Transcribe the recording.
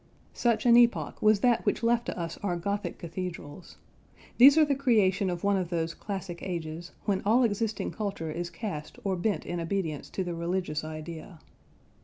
Such an epoch was that which left to us our Gothic cathedrals. These are the creation of one of those classic ages "when all existing culture is cast or bent in obedience to the religious idea."